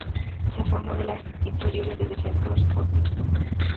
Se formó en las inferiores de Defensor Sporting Club.